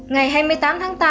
ngày hai mươi tám tháng tám